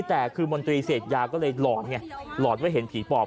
แต่คือมนตรีเศรษฐ์ยาก็เลยหลอดหลอดไว้เห็นผีปลอบ